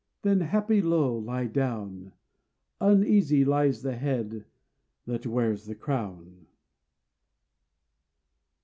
Then, happy low, lie down! Uneasy lies the head that wears a crown.